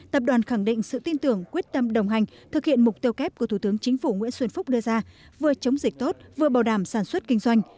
tập đoàn khẳng định sự tin tưởng quyết tâm đồng hành thực hiện mục tiêu kép của thủ tướng chính phủ nguyễn xuân phúc đưa ra vừa chống dịch tốt vừa bảo đảm sản xuất kinh doanh